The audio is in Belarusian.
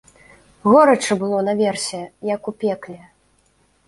Горача было наверсе, як у пекле.